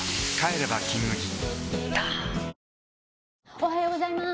おはようございます。